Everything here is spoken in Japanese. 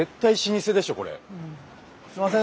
すいません。